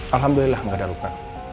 alhamdulillah gak ada luka